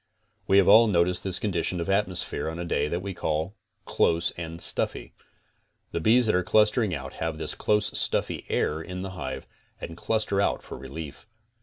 We have all noticed this condition of atmosphere on a day that we call close and stuffy. The bees that are clustering out have this close stuffy air in the hive and cluster out for relief.